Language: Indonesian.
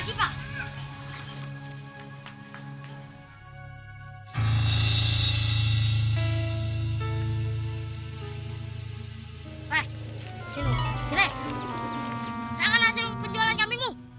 saya akan hasilkan penjualan kambingmu